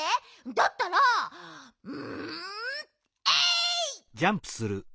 だったらんえいっ！